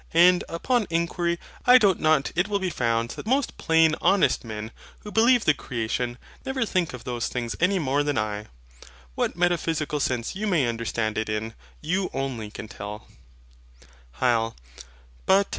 And, upon inquiry, I doubt not it will be found that most plain honest men, who believe the creation, never think of those things any more than I. What metaphysical sense you may understand it in, you only can tell. HYL.